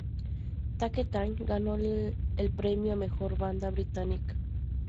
Take That ganó el premio a Mejor Banda Británica.